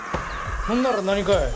ほんなら何かい？